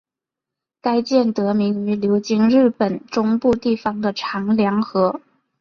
该舰得名于流经日本中部地方的长良河。